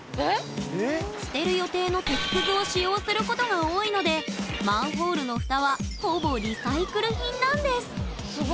捨てる予定の鉄くずを使用することが多いのでマンホールの蓋はほぼリサイクル品なんですすご！